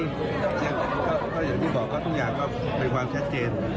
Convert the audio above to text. ก็อย่างที่บอกครับทุกอย่างก็เป็นความชัดเจน